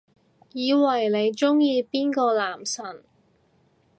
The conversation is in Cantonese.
以為你鍾意邊個男神